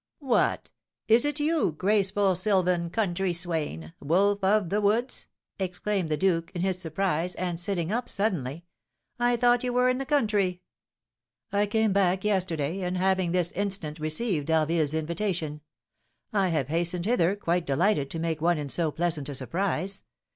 "What! Is it you, graceful sylvan, country swain, wolf of the woods?" exclaimed the duke, in his surprise, and sitting up suddenly. "I thought you were in the country!" "I came back yesterday; and, having this instant received D'Harville's invitation, I have hastened hither, quite delighted to make one in so pleasant a surprise."